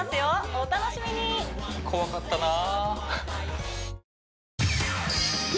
お楽しみに怖かったなあ